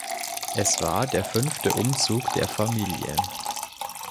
Es war der fünfte Umzug der Familie.